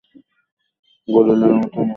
গরিলার মতো মুখ।